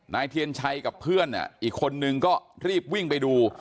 เทียนชัยกับเพื่อนอีกคนนึงก็รีบวิ่งไปดู